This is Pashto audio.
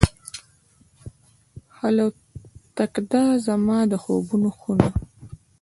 خلوتکده، زما د خوبونو خونه